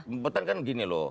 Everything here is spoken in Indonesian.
pembebotan kan gini loh